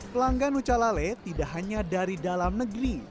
pelanggan nucalalele tidak hanya dari dalam negeri